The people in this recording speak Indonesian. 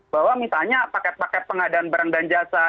bahwa misalnya paket paket pengadaan barang dan jasa